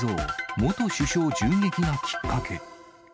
元首相銃撃がきっかけ。